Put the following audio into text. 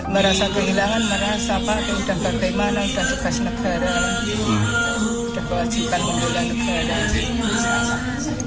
merasa kehilangan merasa apa udah ke mana udah jepas negara udah kewajiban membela negara